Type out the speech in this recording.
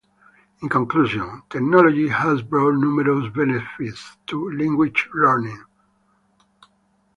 In conclusion, technology has brought numerous benefits to language learning.